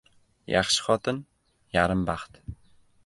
• Yaxshi xotin — yarim baxt.